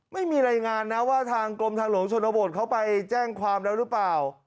ไม่มีรายงานนะว่าทางกรมทางหลวงชนบทเขาไปแจ้งความแล้วหรือเปล่า